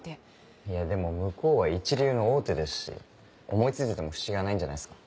いやでも向こうは一流の大手ですし思い付いてても不思議はないんじゃないっすか？